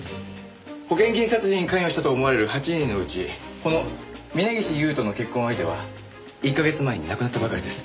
保険金殺人に関与したと思われる８人のうちこの峰岸勇人の結婚相手は１か月前に亡くなったばかりです。